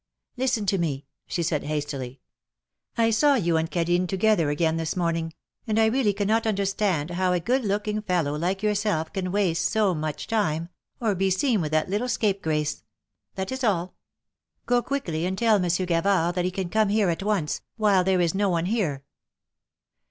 " Listen to me,'^ she said, hastily. " I saw you and Cadine together again this morning, and I really cannot understand how a good looking fellow like yourself can waste so much time, or be seen with that little scapegrace. That is all ; go quickly and tell Monsieur Gavard that he can come here at once, while there is no one here."